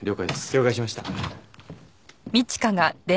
了解しました。